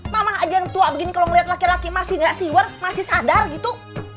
mama aja yang tua begini kalau melihat laki laki masih gak seaware masih sadar gitu